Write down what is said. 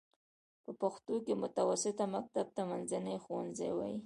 په پښتو کې متوسطه مکتب ته منځنی ښوونځی وايي.